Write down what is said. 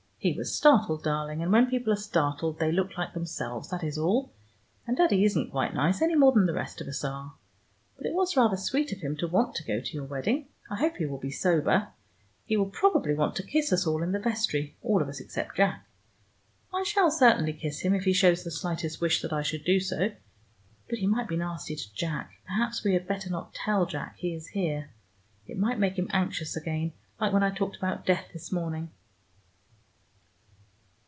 "He was startled, darling, and when people are startled they look like themselves, that is all, and Daddy isn't quite nice, any more than the rest of us are. But it was rather sweet of him to want to go to your wedding. I hope he will be sober. He will probably want to kiss us all in the vestry, all of us except Jack. I shall certainly kiss him, if he shows the slightest wish that I should do so. But he might be nasty to Jack. Perhaps we had better not tell Jack he is here. It might make him anxious again, like when I talked about death this morning.